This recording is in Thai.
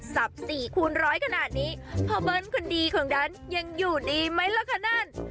สี่คูณร้อยขนาดนี้พ่อเบิ้ลคนดีของดันยังอยู่ดีไหมล่ะคะนั่น